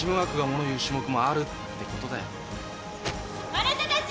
あなたたち！